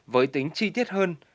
với tính chi tiết hơn